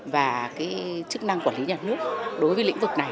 và chức năng quản lý nhà nước đối với lĩnh vực này